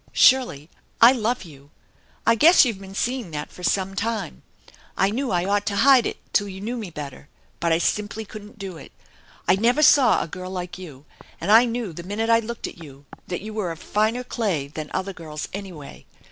" Shirley, I love you. I guess you've been seeing that for some time. I knew I ought to hide it till you knew me better, but I simply couldn't do it. I never saw a girl like you, and I knew the minute I looked at you that you were of finer clay than other girls, anyway.